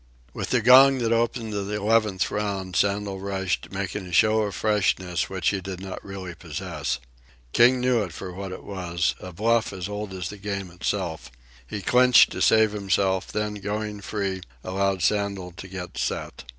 With the gong that opened the eleventh round, Sandel rushed, making a show of freshness which he did not really possess. King knew it for what it was a bluff as old as the game itself. He clinched to save himself, then, going free, allowed Sandel to get set.